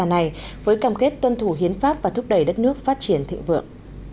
tổng thống của quốc gia này với cam kết tuân thủ hiến pháp và thúc đẩy đất nước phát triển thịnh vượng